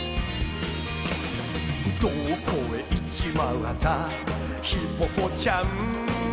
「どこへいっちまったヒポポちゃん」